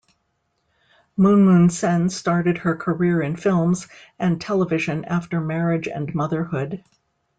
Moon Moon Sen started her career in films and television after marriage and motherhood.